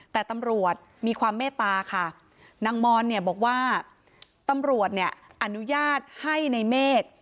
แต่ตำรวจมีความเมตตาค่ะนางมอนเนี่ยบอกว่าตำรวจเนี่ยอนุญาตให้ในเมฆ